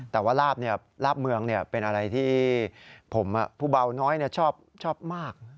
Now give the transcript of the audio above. แต่ว่าลาบเมืองเป็นอะไรที่ผมผู้เบาน้อยชอบมาก